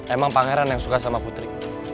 emang pangeran yang suka sama putri